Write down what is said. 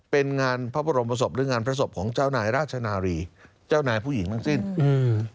เป็นงานพระบรมศพหรืองานพระศพของเจ้านายราชนารีเจ้านายผู้หญิงทั้งสิ้นอืม